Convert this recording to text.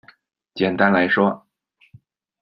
简单来说